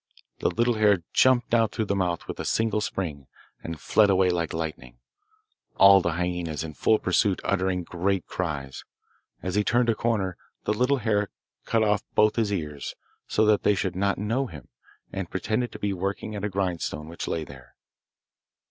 The little hare jumped out through the mouth with a single spring, and fled away like lightning, all the hyaenas in full pursuit uttering great cries. As he turned a corner the little hare cut off both his ears, so that they should not know him, and pretended to be working at a grindstone which lay there.